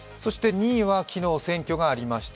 ２位は昨日、選挙がありました。